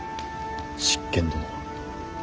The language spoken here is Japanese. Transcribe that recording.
執権殿は。